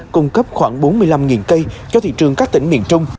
cung cấp khoảng bốn mươi năm cây cho thị trường các tỉnh miền trung